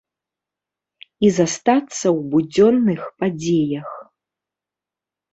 І застацца ў будзённых падзеях.